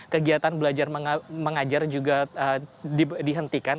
kegiatan belajar mengajar juga dihentikan